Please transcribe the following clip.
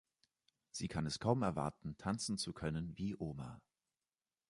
Sie kann es kaum erwarten, tanzen zu können wie Oma!